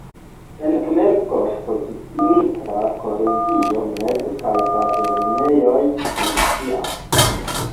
En Umerkot politeknika kolegio, mez- kaj bazlernejoj funkcias.